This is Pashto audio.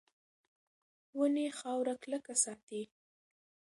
ونې خاوره کلکه ساتي.